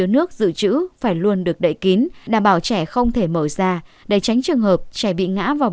nước dự trữ phải luôn được đậy kín đảm bảo trẻ không thể mở ra để tránh trường hợp trẻ bị ngã vào